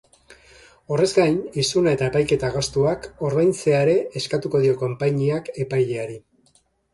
Horrez gain, isuna eta epaiketa gastuak ordaintzea ere eskatuko dio konpainiak epaileari.